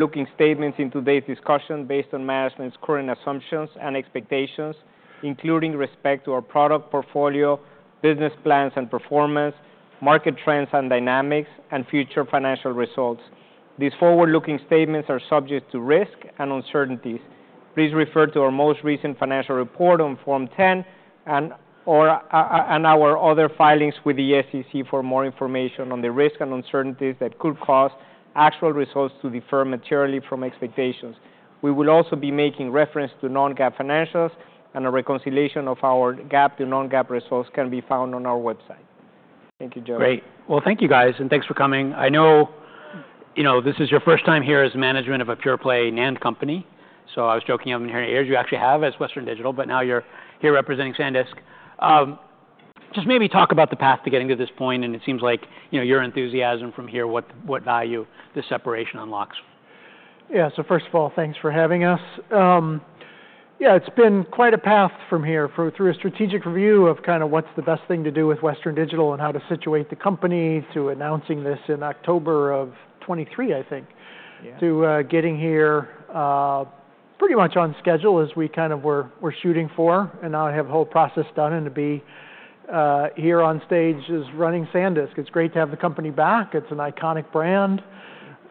Forward-looking statements in today's discussion based on management's current assumptions and expectations, including with respect to our product portfolio, business plans and performance, market trends and dynamics, and future financial results. These forward-looking statements are subject to risk and uncertainties. Please refer to our most recent financial report on Form 10 and our other filings with the SEC for more information on the risks and uncertainties that could cause actual results to differ materially from expectations. We will also be making reference to non-GAAP financials, and a reconciliation of our GAAP to non-GAAP results can be found on our website. Thank you, Joe. Great. Well, thank you, guys, and thanks for coming. I know this is your first time here as management of a pure-play NAND company, so I was joking up in your ears. You actually have as Western Digital, but now you're here representing SanDisk. Just maybe talk about the path to getting to this point, and it seems like your enthusiasm from here, what value this separation unlocks. Yeah, so first of all, thanks for having us. Yeah, it's been quite a path from here through a strategic review of kind of what's the best thing to do with Western Digital and how to situate the company to announcing this in October of 2023, I think, to getting here pretty much on schedule as we kind of were shooting for, and now I have the whole process done, and to be here on stage running SanDisk. It's great to have the company back. It's an iconic brand.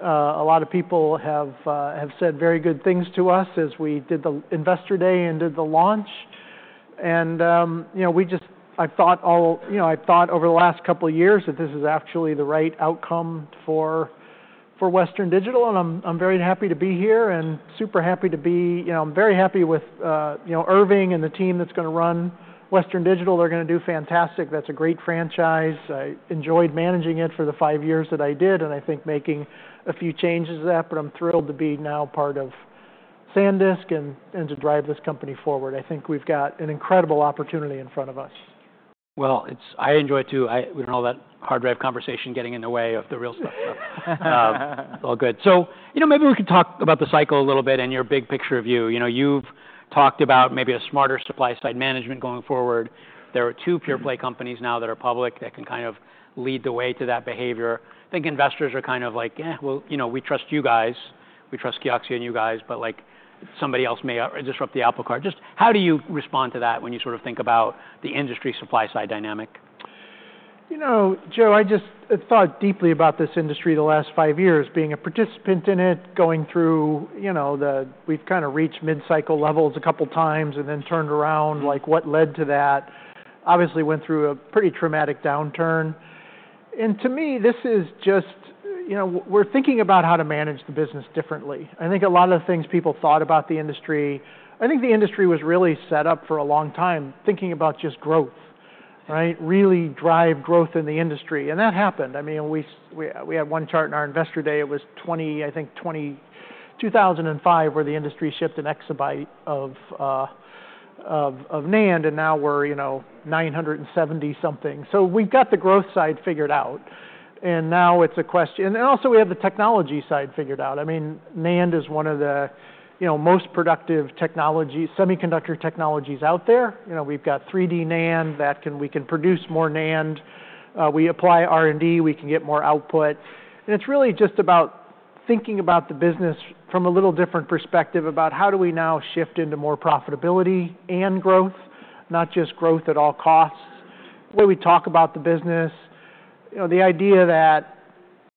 A lot of people have said very good things to us as we did the investor day and did the launch. I thought over the last couple of years that this is actually the right outcome for Western Digital, and I'm very happy to be here and super happy to be very happy with Irving and the team that's going to run Western Digital. They're going to do fantastic. That's a great franchise. I enjoyed managing it for the five years that I did, and I think making a few changes to that, but I'm thrilled to be now part of SanDisk and to drive this company forward. I think we've got an incredible opportunity in front of us. Well, I enjoy it too. We don't have that hard drive conversation getting in the way of the real stuff. It's all good. So maybe we could talk about the cycle a little bit and your big picture view. You've talked about maybe a smarter supply-side management going forward. There are two pure-play companies now that are public that can kind of lead the way to that behavior. I think investors are kind of like, "Well, we trust you guys. We trust Kioxia and you guys," but somebody else may disrupt the apple cart. Just how do you respond to that when you sort of think about the industry supply-side dynamic? You know, Joe, I just thought deeply about this industry the last five years, being a participant in it, going through, we've kind of reached mid-cycle levels a couple of times and then turned around. What led to that? Obviously, went through a pretty traumatic downturn. And to me, this is just we're thinking about how to manage the business differently. I think a lot of the things people thought about the industry. I think the industry was really set up for a long time thinking about just growth, really drive growth in the industry. And that happened. I mean, we had one chart in our investor day. It was 20, I think 2005, where the industry shipped an exabyte of NAND, and now we're 970 something. So we've got the growth side figured out, and now it's a question. And also we have the technology side figured out. I mean, NAND is one of the most productive semiconductor technologies out there. We've got 3D NAND that we can produce more NAND. We apply R&D. We can get more output. And it's really just about thinking about the business from a little different perspective about how do we now shift into more profitability and growth, not just growth at all costs. The way we talk about the business, the idea that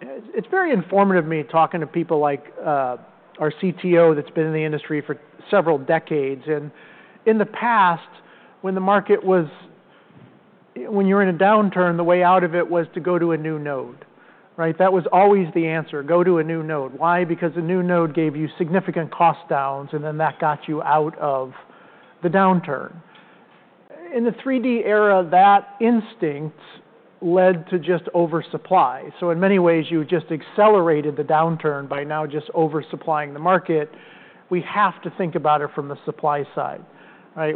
it's very informative to me talking to people like our CTO that's been in the industry for several decades. And in the past, when the market was when you're in a downturn, the way out of it was to go to a new node. That was always the answer, go to a new node. Why? Because a new node gave you significant cost downs, and then that got you out of the downturn. In the 3D era, that instinct led to just oversupply. So in many ways, you just accelerated the downturn by now just oversupplying the market. We have to think about it from the supply side.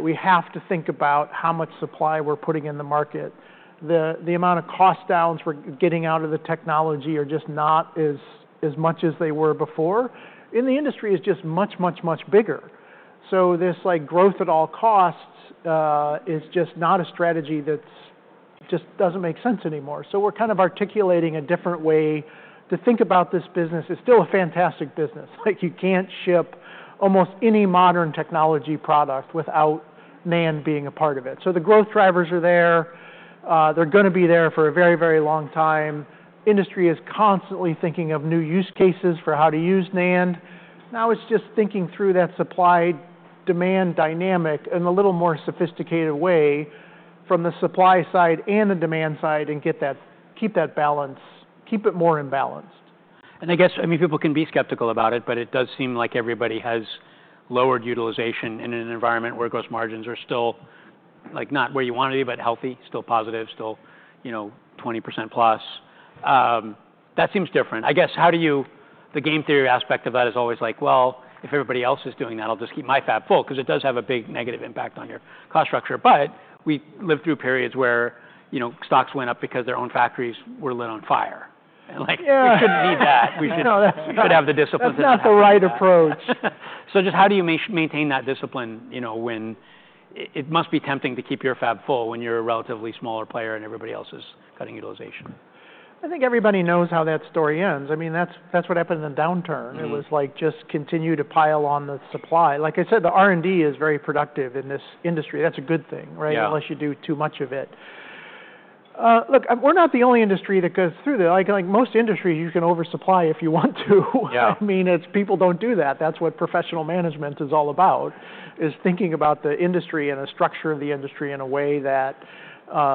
We have to think about how much supply we're putting in the market. The amount of cost downs we're getting out of the technology are just not as much as they were before. In the industry, it's just much, much, much bigger. So this growth at all costs is just not a strategy that just doesn't make sense anymore. So we're kind of articulating a different way to think about this business. It's still a fantastic business. You can't ship almost any modern technology product without NAND being a part of it. So the growth drivers are there. They're going to be there for a very, very long time. Industry is constantly thinking of new use cases for how to use NAND. Now it's just thinking through that supply-demand dynamic in a little more sophisticated way from the supply side and the demand side and keep that balance, keep it more imbalanced. I guess people can be skeptical about it, but it does seem like everybody has lowered utilization in an environment where gross margins are still not where you want to be, but healthy, still positive, still 20% plus. That seems different. I guess how do you the game theory aspect of that is always like, well, if everybody else is doing that, I'll just keep my fab full because it does have a big negative impact on your cost structure. But we lived through periods where stocks went up because their own factories were lit on fire. We shouldn't need that. We should have the discipline to not. It's not the right approach. So just how do you maintain that discipline when it must be tempting to keep your fab full when you're a relatively smaller player and everybody else is cutting utilization? I think everybody knows how that story ends. I mean, that's what happened in the downturn. It was like just continue to pile on the supply. Like I said, the R&D is very productive in this industry. That's a good thing, unless you do too much of it. Look, we're not the only industry that goes through that. Like most industries, you can oversupply if you want to. I mean, people don't do that. That's what professional management is all about, is thinking about the industry and the structure of the industry in a way that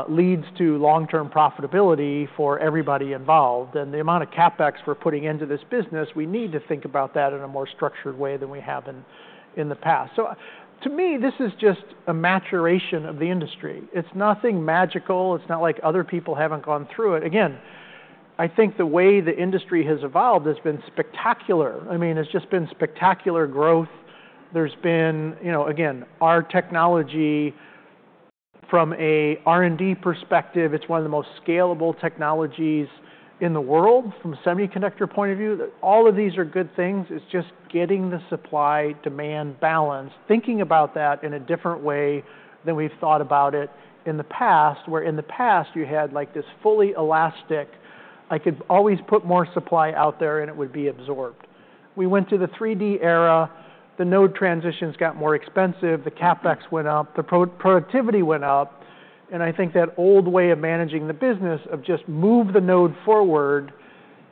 leads to long-term profitability for everybody involved. And the amount of CapEx we're putting into this business, we need to think about that in a more structured way than we have in the past. So to me, this is just a maturation of the industry. It's nothing magical. It's not like other people haven't gone through it. Again, I think the way the industry has evolved has been spectacular. I mean, it's just been spectacular growth. There's been, again, our technology from an R&D perspective, it's one of the most scalable technologies in the world from a semiconductor point of view. All of these are good things. It's just getting the supply-demand balance, thinking about that in a different way than we've thought about it in the past, where in the past you had this fully elastic, I could always put more supply out there and it would be absorbed. We went to the 3D era. The node transitions got more expensive. The CapEx went up. The productivity went up, and I think that old way of managing the business of just move the node forward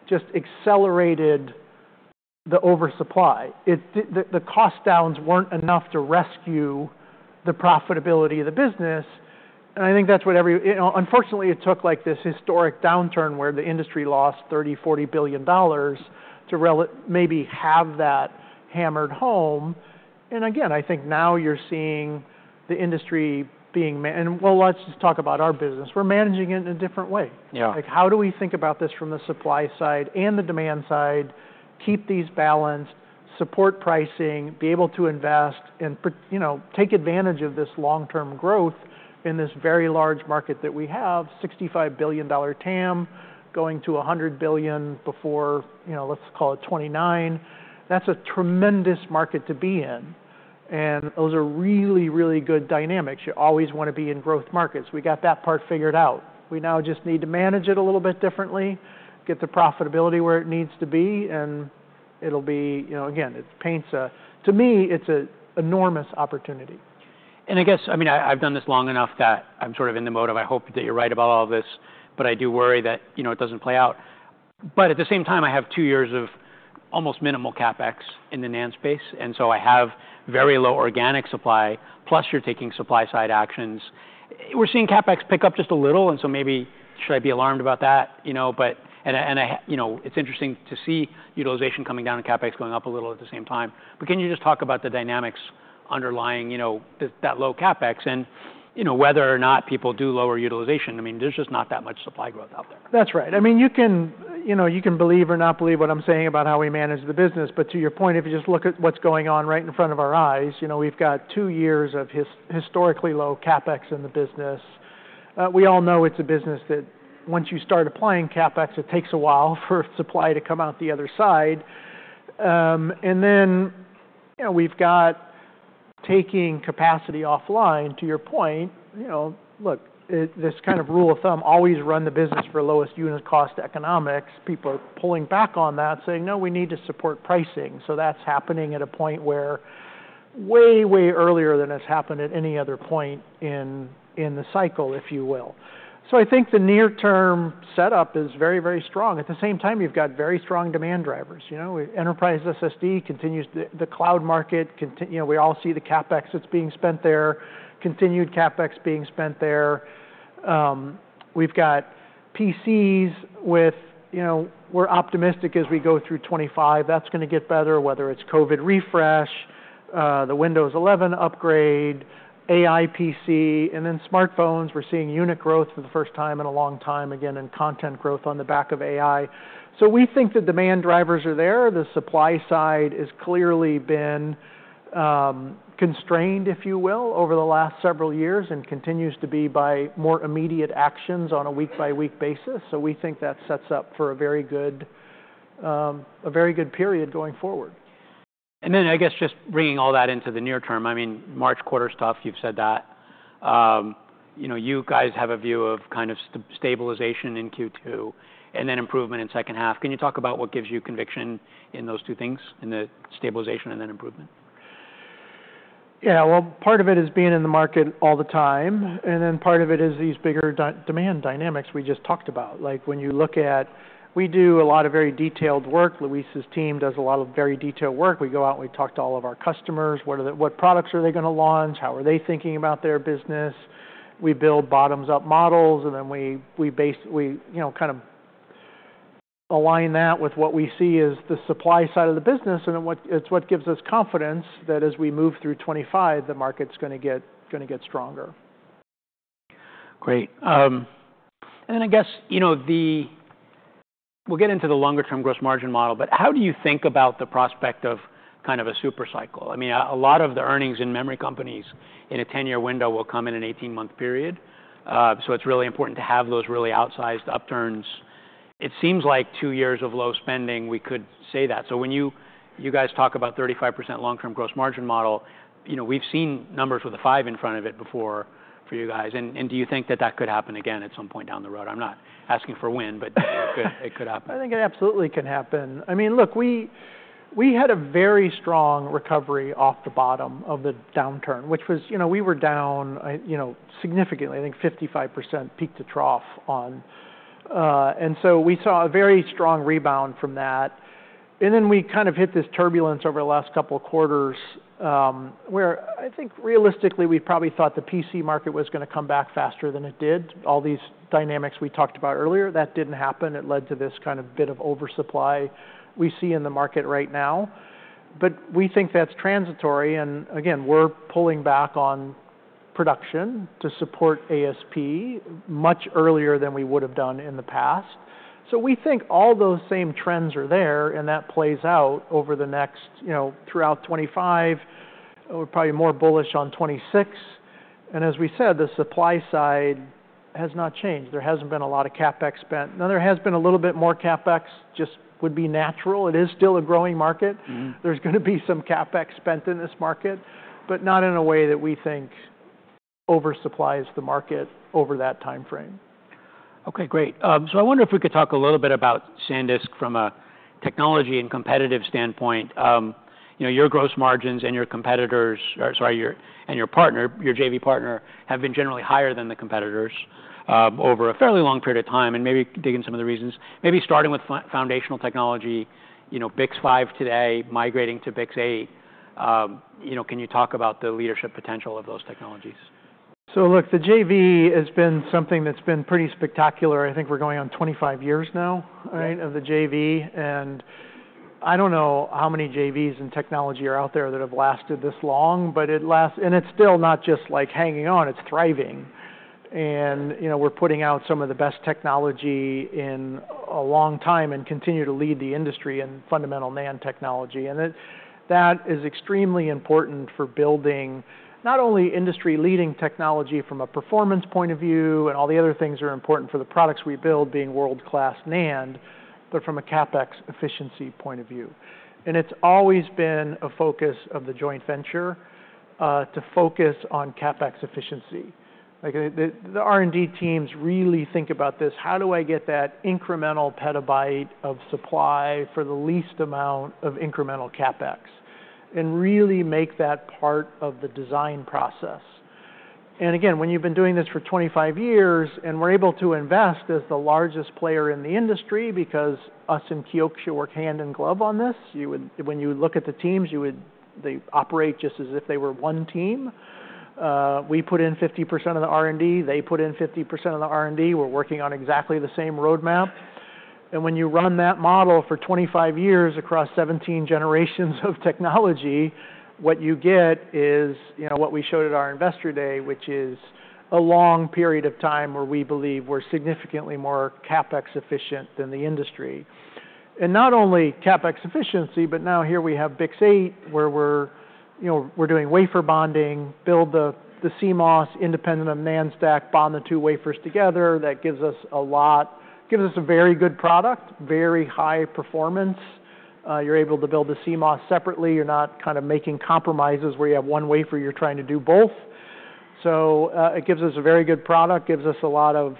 just accelerated the oversupply. The cost downs weren't enough to rescue the profitability of the business, and I think that's what, unfortunately, it took this historic downturn where the industry lost $30-$40 billion to maybe have that hammered home, and again, I think now you're seeing the industry, and well, let's just talk about our business. We're managing it in a different way. How do we think about this from the supply side and the demand side, keep these balanced, support pricing, be able to invest, and take advantage of this long-term growth in this very large market that we have, $65 billion TAM going to $100 billion before, let's call it 2029. That's a tremendous market to be in, and those are really, really good dynamics. You always want to be in growth markets. We got that part figured out. We now just need to manage it a little bit differently, get the profitability where it needs to be, and it'll be, again, it paints a to me. It's an enormous opportunity. And I guess, I mean, I've done this long enough that I'm sort of in the mode of I hope that you're right about all this, but I do worry that it doesn't play out. But at the same time, I have two years of almost minimal CapEx in the NAND space, and so I have very low organic supply, plus you're taking supply-side actions. We're seeing CapEx pick up just a little, and so maybe should I be alarmed about that? And it's interesting to see utilization coming down and CapEx going up a little at the same time. But can you just talk about the dynamics underlying that low CapEx and whether or not people do lower utilization? I mean, there's just not that much supply growth out there. That's right. I mean, you can believe or not believe what I'm saying about how we manage the business, but to your point, if you just look at what's going on right in front of our eyes, we've got two years of historically low CapEx in the business. We all know it's a business that once you start applying CapEx, it takes a while for supply to come out the other side. And then we've got taking capacity offline, to your point. Look, this kind of rule of thumb, always run the business for lowest unit cost economics. People are pulling back on that, saying, "No, we need to support pricing." So that's happening at a point way, way earlier than it's happened at any other point in the cycle, if you will. So I think the near-term setup is very, very strong. At the same time, you've got very strong demand drivers. Enterprise SSD continues, the cloud market, we all see the CapEx that's being spent there, continued CapEx being spent there. We've got PCs. We're optimistic as we go through 2025, that's going to get better, whether it's COVID refresh, the Windows 11 upgrade, AI PC, and then smartphones. We're seeing unit growth for the first time in a long time, again, and content growth on the back of AI. So we think the demand drivers are there. The supply side has clearly been constrained, if you will, over the last several years and continues to be by more immediate actions on a week-by-week basis. So we think that sets up for a very good period going forward. Then I guess just bringing all that into the near term, I mean, March quarter stuff, you've said that. You guys have a view of kind of stabilization in Q2 and then improvement in second half. Can you talk about what gives you conviction in those two things, in the stabilization and then improvement? Yeah, well, part of it is being in the market all the time, and then part of it is these bigger demand dynamics we just talked about. When you look at, we do a lot of very detailed work. Luis's team does a lot of very detailed work. We go out and we talk to all of our customers. What products are they going to launch? How are they thinking about their business? We build bottoms-up models, and then we kind of align that with what we see as the supply side of the business, and it's what gives us confidence that as we move through 2025, the market's going to get stronger. Great, and I guess we'll get into the longer-term gross margin model, but how do you think about the prospect of kind of a supercycle? I mean, a lot of the earnings in memory companies in a 10-year window will come in an 18-month period. So it's really important to have those really outsized upturns. It seems like two years of low spending; we could say that, so when you guys talk about 35% long-term gross margin model, we've seen numbers with a five in front of it before for you guys. And do you think that that could happen again at some point down the road? I'm not asking for a when, but it could happen. I think it absolutely can happen. I mean, look, we had a very strong recovery off the bottom of the downturn, which was we were down significantly, I think 55% peak to trough. And so we saw a very strong rebound from that. And then we kind of hit this turbulence over the last couple of quarters where I think realistically we probably thought the PC market was going to come back faster than it did. All these dynamics we talked about earlier, that didn't happen. It led to this kind of bit of oversupply we see in the market right now. But we think that's transitory. And again, we're pulling back on production to support ASP much earlier than we would have done in the past. So we think all those same trends are there, and that plays out over the next throughout 2025. We're probably more bullish on 2026. And as we said, the supply side has not changed. There hasn't been a lot of CapEx spent. Now, there has been a little bit more CapEx just would be natural. It is still a growing market. There's going to be some CapEx spent in this market, but not in a way that we think oversupplies the market over that timeframe. Okay, great. So I wonder if we could talk a little bit about SanDisk from a technology and competitive standpoint. Your gross margins and your competitors, sorry, and your partner, your JV partner, have been generally higher than the competitors over a fairly long period of time. And maybe dig in some of the reasons, maybe starting with foundational technology, BiCS 5 today, migrating to BiCS 8. Can you talk about the leadership potential of those technologies? So look, the JV has been something that's been pretty spectacular. I think we're going on 25 years now of the JV. And I don't know how many JVs and technology are out there that have lasted this long, but it lasts, and it's still not just hanging on. It's thriving. And we're putting out some of the best technology in a long time and continue to lead the industry in fundamental NAND technology. And that is extremely important for building not only industry-leading technology from a performance point of view and all the other things that are important for the products we build being world-class NAND, but from a CapEx efficiency point of view. And it's always been a focus of the joint venture to focus on CapEx efficiency. The R&D teams really think about this. How do I get that incremental petabyte of supply for the least amount of incremental CapEx and really make that part of the design process? And again, when you've been doing this for 25 years and we're able to invest as the largest player in the industry because us in Kioxia work hand in glove on this, when you look at the teams, they operate just as if they were one team. We put in 50% of the R&D, they put in 50% of the R&D. We're working on exactly the same roadmap. And when you run that model for 25 years across 17 generations of technology, what you get is what we showed at our investor day, which is a long period of time where we believe we're significantly more CapEx efficient than the industry. And not only CapEx efficiency, but now here we have BiCS 8, where we're doing wafer bonding, build the CMOS independent of NAND stack, bond the two wafers together. That gives us a lot, gives us a very good product, very high performance. You're able to build the CMOS separately. You're not kind of making compromises where you have one wafer you're trying to do both. So it gives us a very good product, gives us a lot of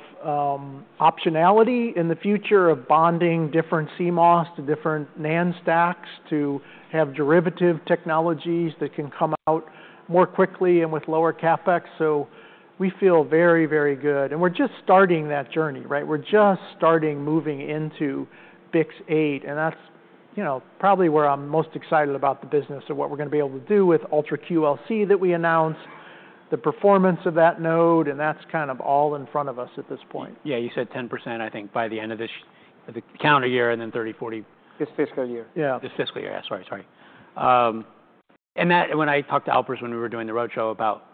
optionality in the future of bonding different CMOS to different NAND stacks to have derivative technologies that can come out more quickly and with lower CapEx. So we feel very, very good. And we're just starting that journey. We're just starting moving into BiCS 8. And that's probably where I'm most excited about the business of what we're going to be able to do with Ultra QLC that we announced, the performance of that node, and that's kind of all in front of us at this point. Yeah, you said 10%, I think, by the end of the calendar year and then 30%-40%. This fiscal year. Yeah, this fiscal year. Yeah, sorry, sorry. And when I talked to Alper when we were doing the roadshow about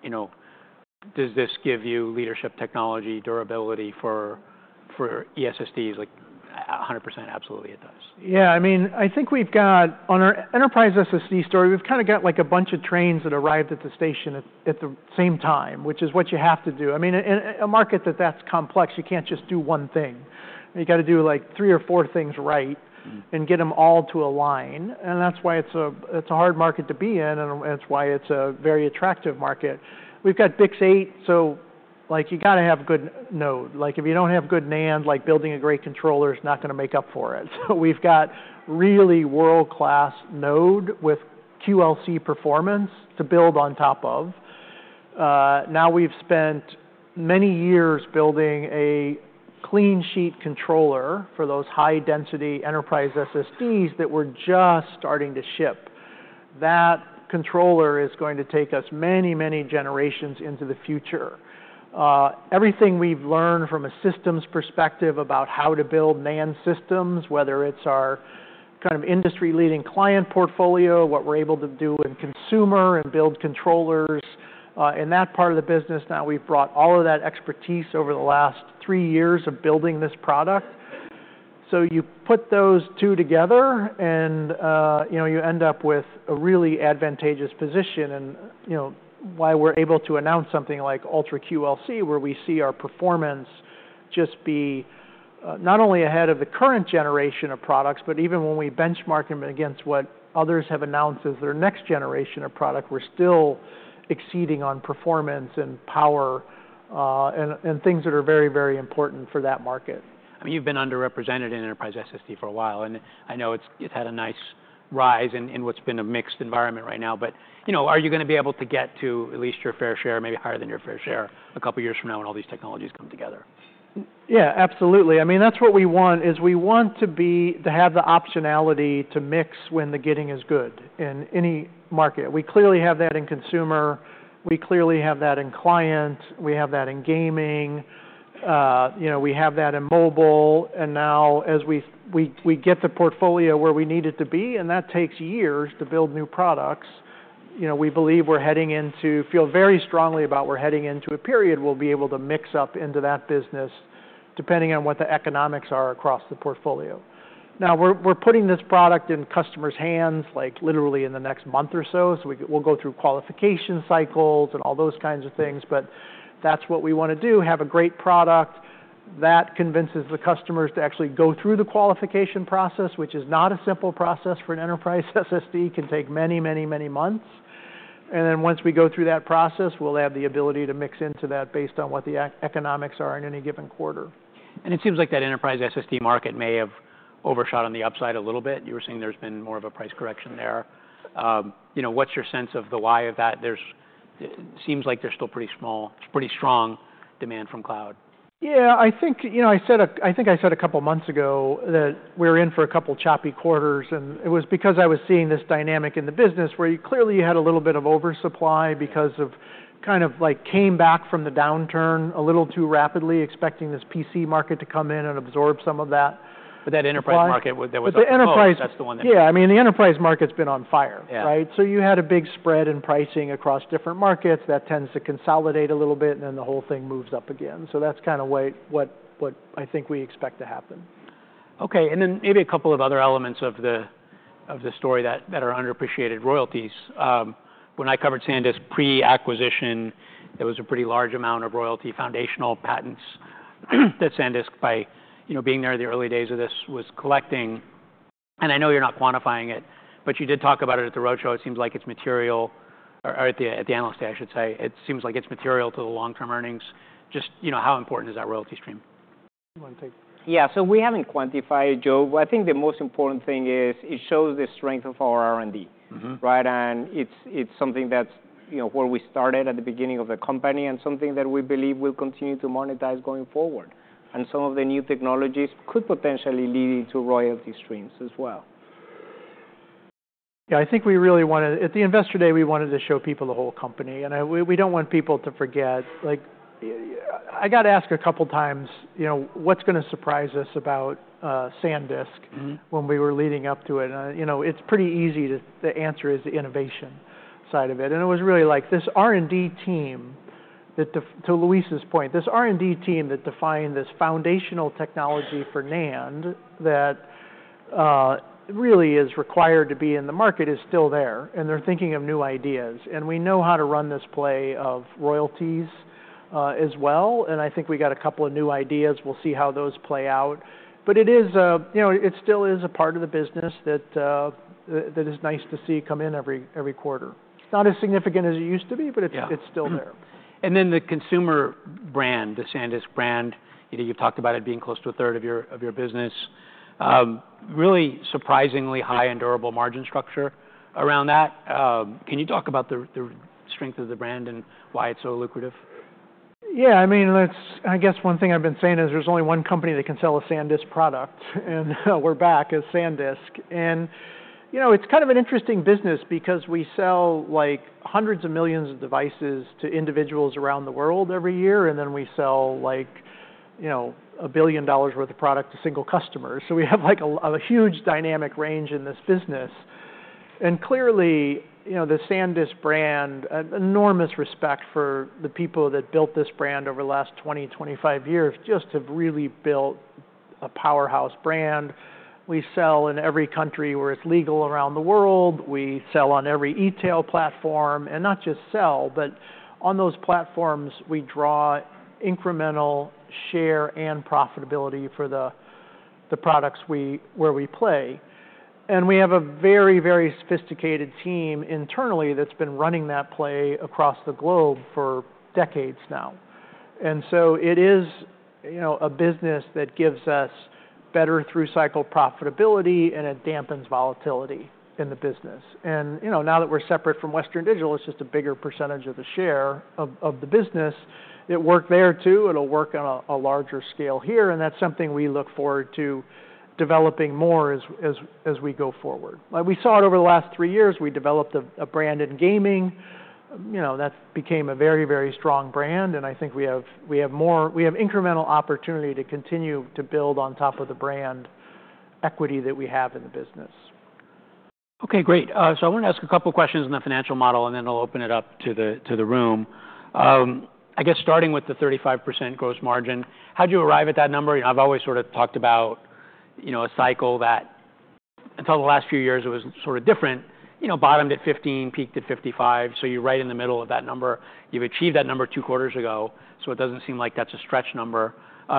does this give you leadership technology durability for ESSDs? 100%, absolutely, it does. Yeah, I mean, I think we've got on our enterprise SSD story, we've kind of got a bunch of trains that arrived at the station at the same time, which is what you have to do. I mean, in a market that's complex, you can't just do one thing. You got to do three or four things right and get them all to align. And that's why it's a hard market to be in, and it's why it's a very attractive market. We've got BiCS 8, so you got to have a good node. If you don't have good NAND, building a great controller is not going to make up for it. So we've got really world-class node with QLC performance to build on top of. Now we've spent many years building a clean sheet controller for those high-density enterprise SSDs that we're just starting to ship. That controller is going to take us many, many generations into the future. Everything we've learned from a systems perspective about how to build NAND systems, whether it's our kind of industry-leading client portfolio, what we're able to do in consumer and build controllers in that part of the business, now we've brought all of that expertise over the last three years of building this product. So you put those two together and you end up with a really advantageous position, and why we're able to announce something like Ultra QLC, where we see our performance just be not only ahead of the current generation of products, but even when we benchmark them against what others have announced as their next generation of product, we're still exceeding on performance and power and things that are very, very important for that market. I mean, you've been underrepresented in enterprise SSD for a while, and I know it's had a nice rise in what's been a mixed environment right now. But are you going to be able to get to at least your fair share, maybe higher than your fair share a couple of years from now when all these technologies come together? Yeah, absolutely. I mean, that's what we want is we want to have the optionality to mix when the getting is good in any market. We clearly have that in consumer. We clearly have that in client. We have that in gaming. We have that in mobile. And now as we get the portfolio where we need it to be, and that takes years to build new products, we believe we're heading into feel very strongly about we're heading into a period we'll be able to mix up into that business depending on what the economics are across the portfolio. Now we're putting this product in customers' hands literally in the next month or so. So we'll go through qualification cycles and all those kinds of things. But that's what we want to do, have a great product that convinces the customers to actually go through the qualification process, which is not a simple process for an enterprise SSD, can take many, many, many months. And then once we go through that process, we'll have the ability to mix into that based on what the economics are in any given quarter. It seems like that enterprise SSD market may have overshot on the upside a little bit. You were saying there's been more of a price correction there. What's your sense of the why of that? It seems like there's still pretty strong demand from cloud. Yeah, I think I said a couple of months ago that we're in for a couple of choppy quarters, and it was because I was seeing this dynamic in the business where clearly you had a little bit of oversupply because of kind of came back from the downturn a little too rapidly expecting this PC market to come in and absorb some of that. But that enterprise market, that was the one. But the enterprise. That's the one that. Yeah, I mean, the enterprise market's been on fire, right? So you had a big spread in pricing across different markets. That tends to consolidate a little bit, and then the whole thing moves up again. So that's kind of what I think we expect to happen. Okay, and then maybe a couple of other elements of the story that are underappreciated royalties. When I covered SanDisk pre-acquisition, there was a pretty large amount of royalty foundational patents that SanDisk, by being there in the early days of this, was collecting. And I know you're not quantifying it, but you did talk about it at the roadshow. It seems like it's material, or at the analyst day, I should say, it seems like it's material to the long-term earnings. Just how important is that royalty stream? You want to take? Yeah, so we haven't quantified it, Joe. I think the most important thing is it shows the strength of our R&D, right? And it's something that's where we started at the beginning of the company and something that we believe will continue to monetize going forward. And some of the new technologies could potentially lead into royalty streams as well. Yeah, I think we really wanted, at the investor day, we wanted to show people the whole company. And we don't want people to forget. I got to ask a couple of times, what's going to surprise us about SanDisk when we were leading up to it? And it's pretty easy to answer is the innovation side of it. And it was really like this R&D team that, to Luis's point, this R&D team that defined this foundational technology for NAND that really is required to be in the market is still there. And they're thinking of new ideas. And we know how to run this play of royalties as well. And I think we got a couple of new ideas. We'll see how those play out. But it still is a part of the business that is nice to see come in every quarter. It's not as significant as it used to be, but it's still there. And then the consumer brand, the SanDisk brand, you've talked about it being close to a third of your business, really surprisingly high and durable margin structure around that. Can you talk about the strength of the brand and why it's so lucrative? Yeah, I mean, I guess one thing I've been saying is there's only one company that can sell a SanDisk product. And we're back as SanDisk. And it's kind of an interesting business because we sell hundreds of millions of devices to individuals around the world every year. And then we sell $1 billion worth of product to single customers. So we have a huge dynamic range in this business. And clearly, the SanDisk brand, enormous respect for the people that built this brand over the last 20-25 years just have really built a powerhouse brand. We sell in every country where it's legal around the world. We sell on every e-tail platform. And not just sell, but on those platforms, we draw incremental share and profitability for the products where we play. We have a very, very sophisticated team internally that's been running that play across the globe for decades now. So it is a business that gives us better through cycle profitability, and it dampens volatility in the business. Now that we're separate from Western Digital, it's just a bigger percentage of the share of the business. It worked there too. It'll work on a larger scale here. That's something we look forward to developing more as we go forward. We saw it over the last three years. We developed a brand in gaming. That became a very, very strong brand. I think we have incremental opportunity to continue to build on top of the brand equity that we have in the business. Okay, great. So I want to ask a couple of questions on the financial model, and then I'll open it up to the room. I guess starting with the 35% gross margin, how did you arrive at that number? I've always sort of talked about a cycle that until the last few years, it was sort of different, bottomed at 15%, peaked at 55%. So you're right in the middle of that number. You've achieved that number two quarters ago. So it doesn't seem like that's a stretch number.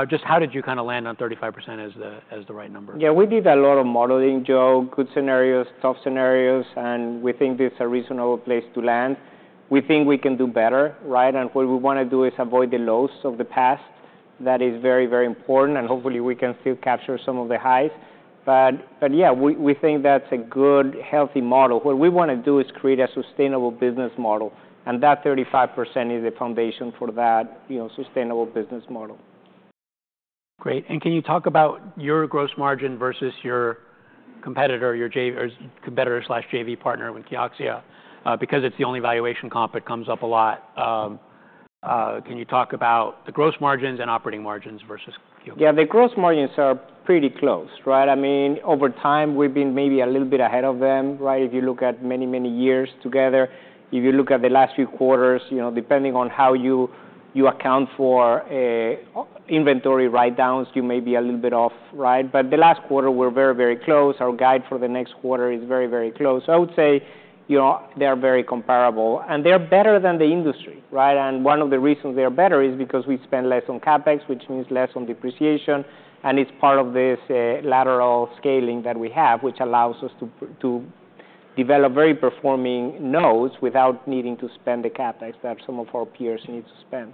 Just how did you kind of land on 35% as the right number? Yeah, we did a lot of modeling, Joe, good scenarios, tough scenarios, and we think this is a reasonable place to land. We think we can do better, right, and what we want to do is avoid the lows of the past. That is very, very important, and hopefully, we can still capture some of the highs, but yeah, we think that's a good, healthy model. What we want to do is create a sustainable business model, and that 35% is the foundation for that sustainable business model. Great. And can you talk about your gross margin versus your competitor, your competitor JV partner with Kioxia? Because it's the only valuation comp that comes up a lot. Can you talk about the gross margins and operating margins versus Kioxia? Yeah, the gross margins are pretty close, right? I mean, over time, we've been maybe a little bit ahead of them, right? If you look at many, many years together, if you look at the last few quarters, depending on how you account for inventory write-downs, you may be a little bit off, right? But the last quarter, we're very, very close. Our guide for the next quarter is very, very close. So I would say they are very comparable. And they are better than the industry, right? And one of the reasons they are better is because we spend less on CapEx, which means less on depreciation. And it's part of this lateral scaling that we have, which allows us to develop very performing nodes without needing to spend the CapEx that some of our peers need to spend.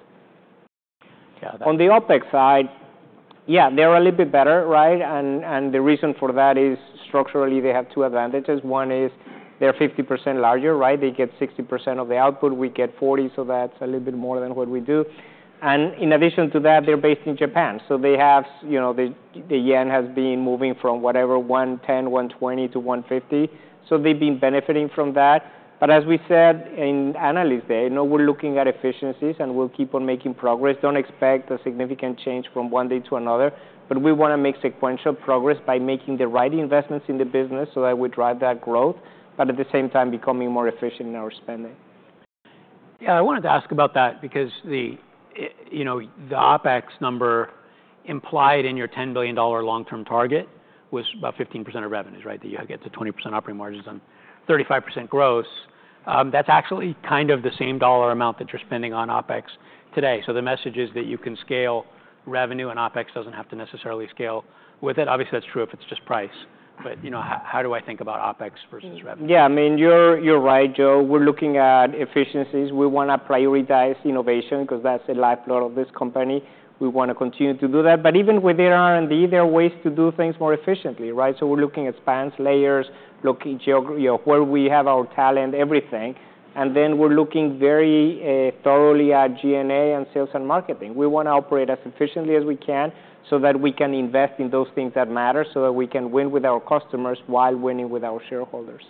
On the OpEx side, yeah, they are a little bit better, right? The reason for that is structurally, they have two advantages. One is they're 50% larger, right? They get 60% of the output. We get 40%, so that's a little bit more than what we do. In addition to that, they're based in Japan. The yen has been moving from whatever, 110-120 to 150. They've been benefiting from that. As we said in Analyst Day, we're looking at efficiencies, and we'll keep on making progress. Don't expect a significant change from one day to another. We want to make sequential progress by making the right investments in the business so that we drive that growth, but at the same time, becoming more efficient in our spending. Yeah, I wanted to ask about that because the OpEx number implied in your $10 billion long-term target was about 15% of revenues, right? That you had to get to 20% operating margins on 35% gross. That's actually kind of the same dollar amount that you're spending on OpEx today. So the message is that you can scale revenue, and OpEx doesn't have to necessarily scale with it. Obviously, that's true if it's just price. But how do I think about OpEx versus revenue? Yeah, I mean, you're right, Joe. We're looking at efficiencies. We want to prioritize innovation because that's the lifeblood of this company. We want to continue to do that. But even within R&D, there are ways to do things more efficiently, right? So we're looking at spans, layers, where we have our talent, everything. And then we're looking very thoroughly at G&A and sales and marketing. We want to operate as efficiently as we can so that we can invest in those things that matter so that we can win with our customers while winning with our shareholders.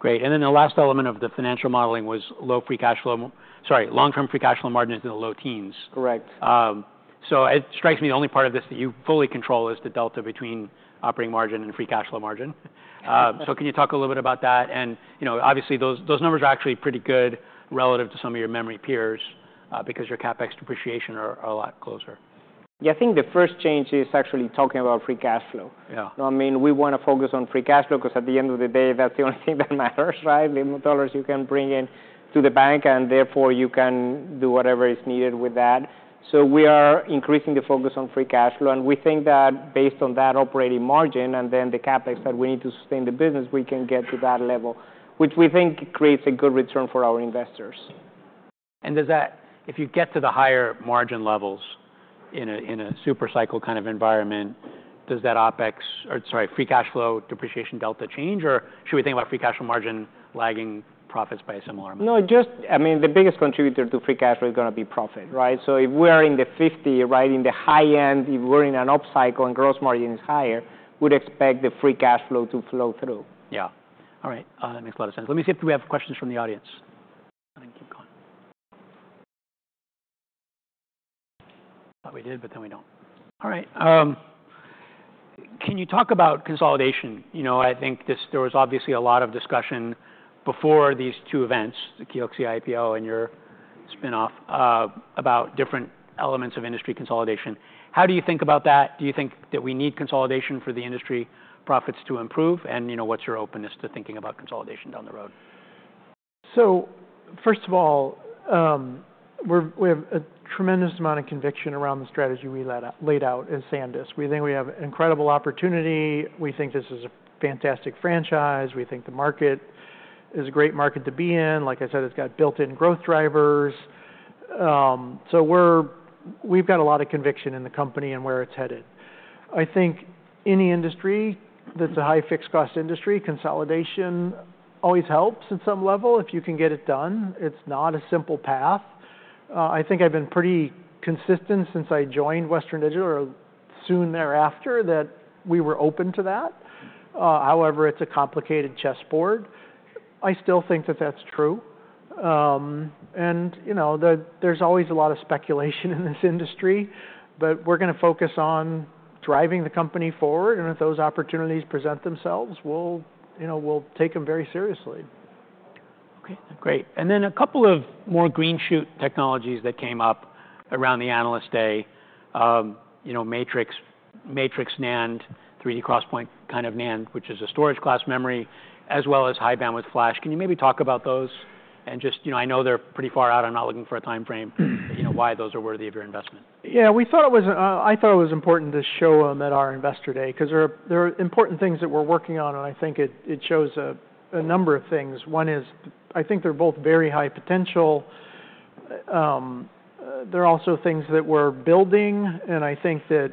Great. And then the last element of the financial modeling was low free cash flow, sorry, long-term free cash flow margin is in the low teens. Correct. So it strikes me the only part of this that you fully control is the delta between operating margin and free cash flow margin. So can you talk a little bit about that? And obviously, those numbers are actually pretty good relative to some of your memory peers because your CapEx depreciation are a lot closer. Yeah, I think the first change is actually talking about free cash flow. I mean, we want to focus on free cash flow because at the end of the day, that's the only thing that matters, right? The amount of dollars you can bring in to the bank, and therefore, you can do whatever is needed with that. So we are increasing the focus on free cash flow, and we think that based on that operating margin and then the CapEx that we need to sustain the business, we can get to that level, which we think creates a good return for our investors. And if you get to the higher margin levels in a super cycle kind of environment, does that OpEx, or sorry, free cash flow depreciation delta change, or should we think about free cash flow margin lagging profits by a similar amount? No, just I mean, the biggest contributor to free cash flow is going to be profit, right? So if we are in the 50, right, in the high end, if we're in an upcycle and gross margin is higher, we'd expect the free cash flow to flow through. Yeah. All right. That makes a lot of sense. Let me see if we have questions from the audience. Thought we did, but then we don't. All right. Can you talk about consolidation? I think there was obviously a lot of discussion before these two events, the Kioxia IPO and your spinoff, about different elements of industry consolidation. How do you think about that? Do you think that we need consolidation for the industry profits to improve? And what's your openness to thinking about consolidation down the road? First of all, we have a tremendous amount of conviction around the strategy we laid out at SanDisk. We think we have an incredible opportunity. We think this is a fantastic franchise. We think the market is a great market to be in. Like I said, it's got built-in growth drivers. So we've got a lot of conviction in the company and where it's headed. I think any industry that's a high fixed cost industry, consolidation always helps at some level if you can get it done. It's not a simple path. I think I've been pretty consistent since I joined Western Digital or soon thereafter that we were open to that. However, it's a complicated chessboard. I still think that that's true. There's always a lot of speculation in this industry, but we're going to focus on driving the company forward. If those opportunities present themselves, we'll take them very seriously. Okay, great. And then a couple of more green shoot technologies that came up around the analyst day: Matrix NAND, 3D XPoint kind of NAND, which is a storage class memory, as well as High Bandwidth Flash. Can you maybe talk about those? And just I know they're pretty far out. I'm not looking for a timeframe, but why those are worthy of your investment. Yeah, I thought it was important to show them at our investor day because there are important things that we're working on. And I think it shows a number of things. One is I think they're both very high potential. They're also things that we're building. And I think that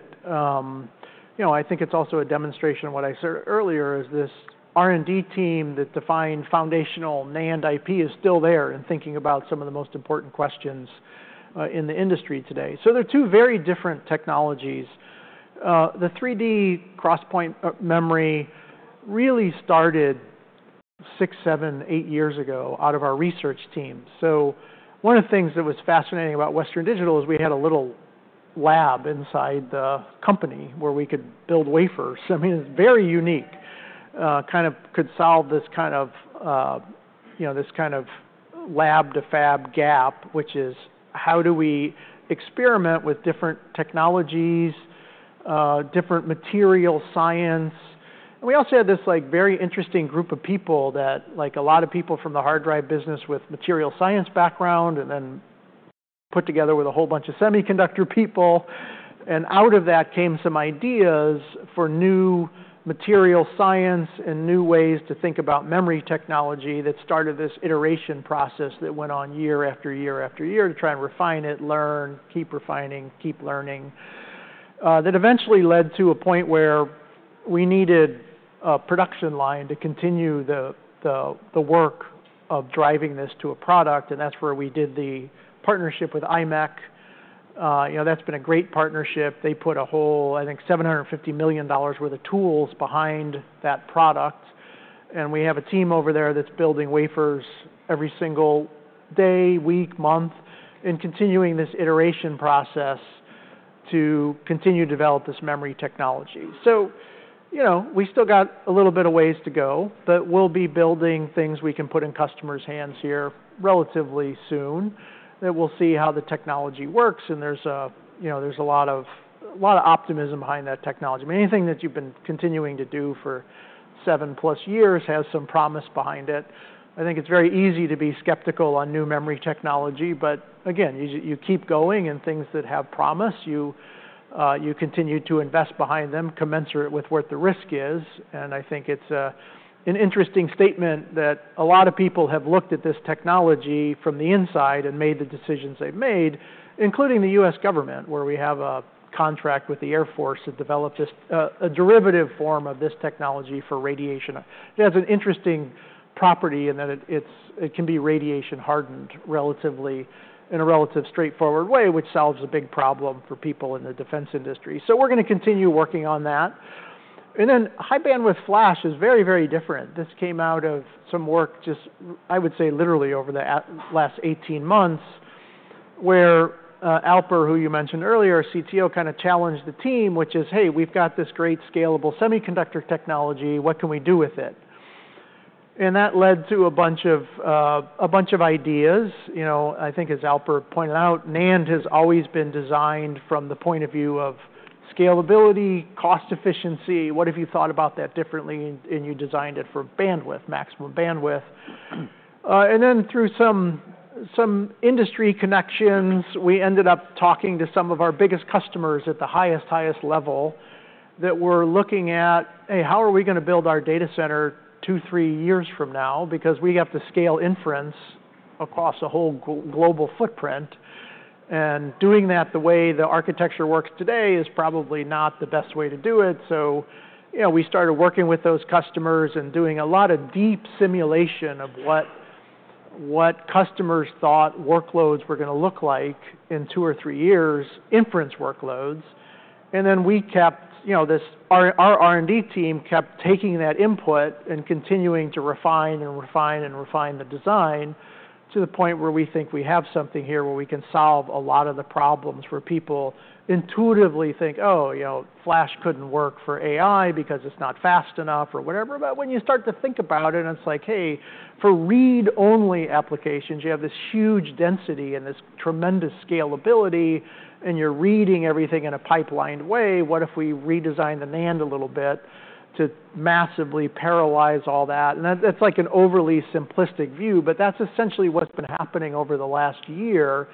I think it's also a demonstration of what I said earlier is this R&D team that defined foundational NAND IP is still there and thinking about some of the most important questions in the industry today. So they're two very different technologies. The 3D XPoint memory really started six, seven, eight years ago out of our research team. So one of the things that was fascinating about Western Digital is we had a little lab inside the company where we could build wafers. I mean, it's very unique. Kind of could solve this kind of lab to fab gap, which is how do we experiment with different technologies, different material science. And we also had this very interesting group of people that, like a lot of people from the hard drive business with material science background, and then put together with a whole bunch of semiconductor people. And out of that came some ideas for new material science and new ways to think about memory technology that started this iteration process that went on year after year after year to try and refine it, learn, keep refining, keep learning. That eventually led to a point where we needed a production line to continue the work of driving this to a product. And that's where we did the partnership with IMEC. That's been a great partnership. They put a whole, I think, $750 million worth of tools behind that product, and we have a team over there that's building wafers every single day, week, month, and continuing this iteration process to continue to develop this memory technology, so we still got a little bit of ways to go, but we'll be building things we can put in customers' hands here relatively soon that we'll see how the technology works, and there's a lot of optimism behind that technology. I mean, anything that you've been continuing to do for seven plus years has some promise behind it. I think it's very easy to be skeptical on new memory technology, but again, you keep going in things that have promise. You continue to invest behind them, commensurate with what the risk is. I think it's an interesting statement that a lot of people have looked at this technology from the inside and made the decisions they've made, including the U.S. government, where we have a contract with the U.S. Air Force to develop a derivative form of this technology for radiation. It has an interesting property in that it can be radiation hardened relatively in a relatively straightforward way, which solves a big problem for people in the defense industry. So we're going to continue working on that. And then high bandwidth flash is very, very different. This came out of some work, just I would say literally over the last 18 months, where Alper, who you mentioned earlier, CTO, kind of challenged the team, which is, "Hey, we've got this great scalable semiconductor technology. What can we do with it?" And that led to a bunch of ideas. I think as Alper pointed out, NAND has always been designed from the point of view of scalability, cost efficiency. What if you thought about that differently and you designed it for bandwidth, maximum bandwidth, and then through some industry connections, we ended up talking to some of our biggest customers at the highest, highest level that we're looking at, "Hey, how are we going to build our data center two, three years from now," because we have to scale inference across a whole global footprint, and doing that the way the architecture works today is probably not the best way to do it, so we started working with those customers and doing a lot of deep simulation of what customers thought workloads were going to look like in two or three years, inference workloads. And then we kept this, our R&D team kept taking that input and continuing to refine and refine and refine the design to the point where we think we have something here where we can solve a lot of the problems where people intuitively think, "Oh, flash couldn't work for AI because it's not fast enough," or whatever, but when you start to think about it, it's like, "Hey, for read-only applications, you have this huge density and this tremendous scalability, and you're reading everything in a pipelined way. What if we redesign the NAND a little bit to massively parallelize all that?" And that's like an overly simplistic view, but that's essentially what's been happening over the last year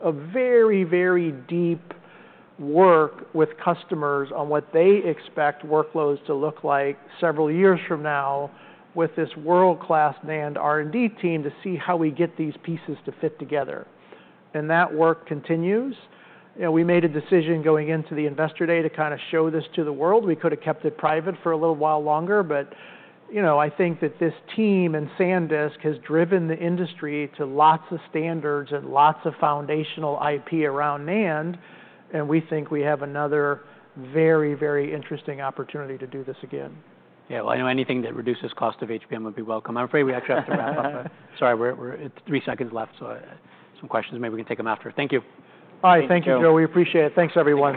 of very, very deep work with customers on what they expect workloads to look like several years from now with this world-class NAND R&D team to see how we get these pieces to fit together. And that work continues. We made a decision going into the investor day to kind of show this to the world. We could have kept it private for a little while longer, but I think that this team and SanDisk has driven the industry to lots of standards and lots of foundational IP around NAND. And we think we have another very, very interesting opportunity to do this again. Yeah, well, anything that reduces cost of HBM would be welcome. I'm afraid we actually have to wrap up. Sorry, we're at three seconds left, so some questions, maybe we can take them after. Thank you. All right, thank you, Joe. We appreciate it. Thanks, everyone.